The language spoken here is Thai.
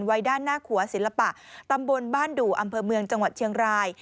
ไว้ด้านหน้าขัวศิลปะตำบลบ้านดู่อำเภอเมืองจังหวัดเชียงราย